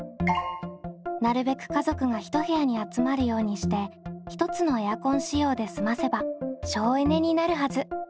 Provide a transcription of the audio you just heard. なるべく家族が一部屋に集まるようにして１つのエアコン使用で済ませば省エネになるはず。